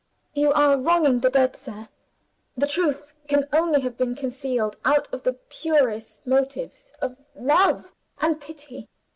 "You are wronging the dead, sir! The truth can only have been concealed out of the purest motives of love and pity.